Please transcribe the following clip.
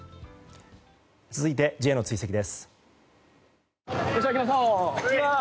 続いてＪの追跡です。